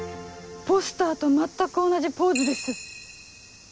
ポスターと全く同じポーズです。